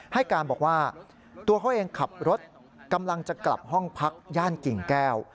ให้การบอกว่าตัวเขาเองขับรถกำลังจะกลับห้องพักย่านกิ่งแก้ว